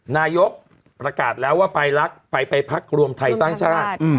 นายกประกาศแล้วว่าไปรักไปพักรวมไทยสร้างชาติ